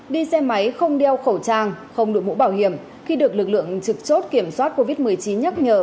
đi xe máy không đeo khẩu trang không đuổi mũ bảo hiểm khi được lực lượng trực chốt kiểm soát covid một mươi chín nhắc nhở